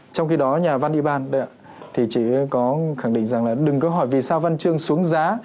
trong khi đó nhà văn ị ban thì chỉ có khẳng định rằng là đừng có hỏi vì sao văn chương xuống giá